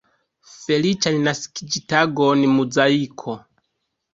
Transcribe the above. Feliĉan naskiĝtagon Muzaiko!